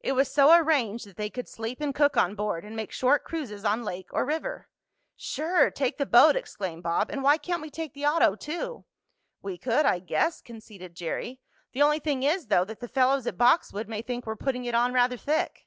It was so arranged that they could sleep and cook on board, and make short cruises on lake or river. "Sure, take the boat!" exclaimed Bob. "And why can't we take the auto too?" "We could, I guess," conceded Jerry. "The only thing is, though, that the fellows at Boxwood may think we're putting it on rather thick."